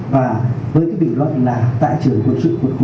và với cái bình luận là tải trưởng quân sự quân khu bảy